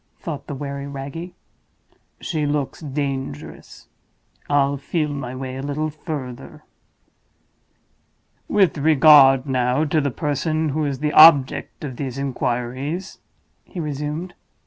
thought the wary Wragge. "She looks dangerous; I'll feel my way a little further." "With regard, now, to the person who is the object of these inquiries," he resumed.